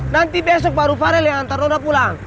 nanti besok baru farel yang antar nona pulang